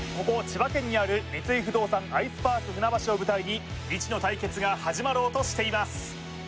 千葉県にある三井不動産アイスパーク船橋を舞台に未知の対決が始まろうとしています